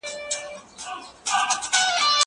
زه پرون کتابونه لولم وم!!